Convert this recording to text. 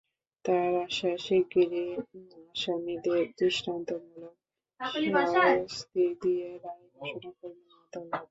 তাঁর আশা, শিগগিরই আসামিদের দৃষ্টান্তমূলক শাস্তি দিয়ে রায় ঘোষণা করবেন আদালত।